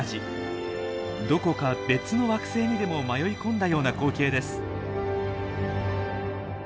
どこか別の惑星にでも迷い込んだような光景です。